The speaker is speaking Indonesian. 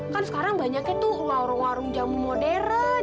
kan sekarang banyaknya tuh warung warung jamu modern